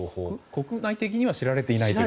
国内的には知られていないと。